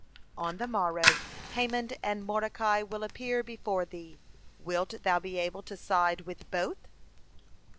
On the morrow Haman and Mordecai will appear before thee. Wilt thou be able to side with both?"